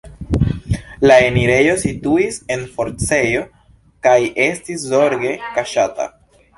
La enirejo situis en forcejo kaj estis zorge kaŝata.